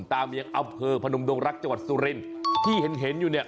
ตามยังอำเภอพนมดงรักจังหวัดสุรินที่เห็นเห็นอยู่เนี่ย